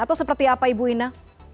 atau seperti apa ibu ina